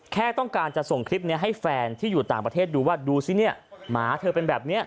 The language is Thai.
แค่ต้องการจะส่งคลิปนี้ให้แฟนที่อยู่ต่างประเทศดูว่าดูสิเนี่ยหมาเธอเป็นแบบนี้